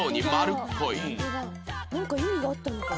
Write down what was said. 「なんか意味があったのかな？」